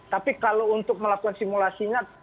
tapi kalau untuk melakukan simulasinya